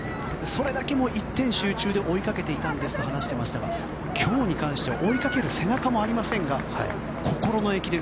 それだけ一点集中で追いかけていたんですと話していましたが今日に関しては追いかける背中もありませんが心の駅伝。